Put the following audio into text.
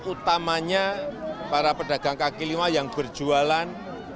utamanya para pedagang kklima yang berjualan